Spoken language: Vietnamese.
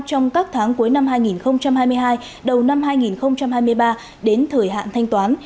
trong các tháng cuối năm hai nghìn hai mươi hai đầu năm hai nghìn hai mươi ba đến thời hạn thanh toán